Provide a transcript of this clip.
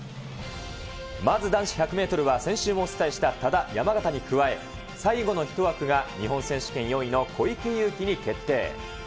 まず男子１００メートルは、先週もお伝えした多田、山縣に加え、最後の１枠が日本選手権４位の小池祐貴に決定。